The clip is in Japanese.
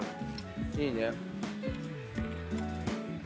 いいね。